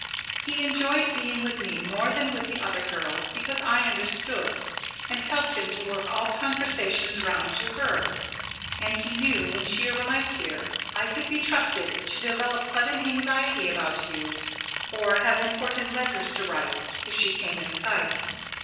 He enjoyed being with me more than with the other girls, because I understood, and helped him to work all conversations round to her, and he knew, when she arrived here, I could be trusted to develop sudden anxiety about you, or have important letters to write, if she came in sight.